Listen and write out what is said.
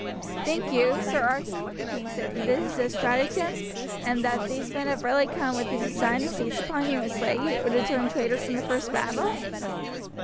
"Think you, Sir Archie," the king said, "that this is a stratagem, and that these men have really come with a design to seize upon you and slay you, or to turn traitors in the first battle?"